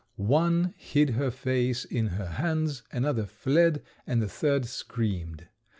One hid her face in her hands, another fled, and a third screamed.